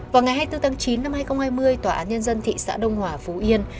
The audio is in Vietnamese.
vào ngày hai mươi bốn tháng chín năm hai nghìn hai mươi tòa án nhân dân thị xã đông hòa phú yên